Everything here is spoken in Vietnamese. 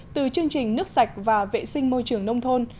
từ chương trình nước sạch và vệ sinh môi trường nông thôn